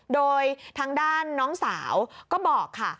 โดยทางด้านน้องสาวก็บอกค่ะ